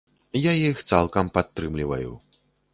Я іх цалкам падтрымліваю.